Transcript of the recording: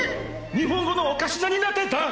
日本語のおかしなになってた？